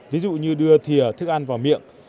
ví dụ như đưa thịa thức ăn vào miệng